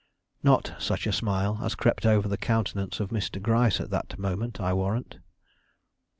Not such a smile as crept over the countenance of Mr. Gryce at that moment, I warrant.